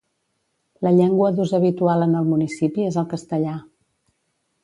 La llengua d'ús habitual en el municipi és el castellà.